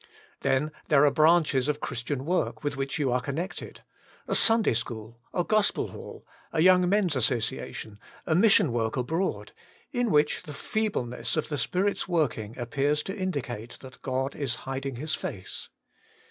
Then there are branches of Christian work with which you are connected — a Sunday school, a gospel hall, a young men's association, a mission work abroad — in which the feebleness of the Spirit's working appears to indicate that God is hiding His face.